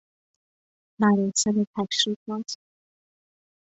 مراسم تشریفات